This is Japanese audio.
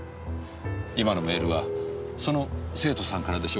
今のメールはその生徒さんからでしょうかね？